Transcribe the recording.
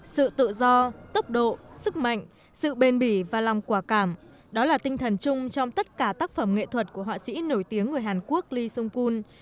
sự tự do tốc độ sức mạnh sự bền bỉ và lòng quả cảm đó là tinh thần chung trong tất cả tác phẩm nghệ thuật của họa sĩ nổi tiếng người hàn quốc lee sung kun